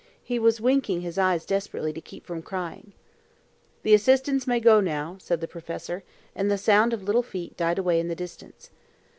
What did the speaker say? He was winking his eyes desperately to keep from crying. "The assistants may go now," said the professor; and the sound of little feet died away in the distance.